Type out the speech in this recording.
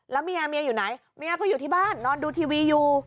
แล้วเมียเมียอยู่ไหนเมียก็อยู่ที่บ้านนอนดูทีวีอยู่